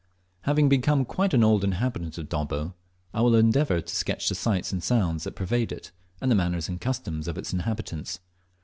Having become quite an old inhabitant of Dobbo, I will endeavour to sketch the sights and sounds that pervade it, and the manners and customs of its inhabitants.